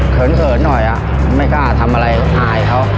เขินหน่อยไม่กล้าทำอะไรอายเขา